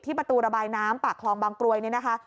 ประตูระบายน้ำปากคลองบางกรวยเนี่ยนะคะ